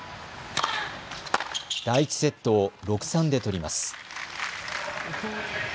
第１セットを６−３で取ります。